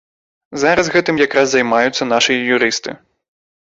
Зараз гэтым якраз займаюцца нашыя юрысты.